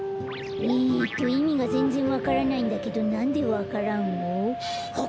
えっといみがぜんぜんわからないんだけどなんでわか蘭を？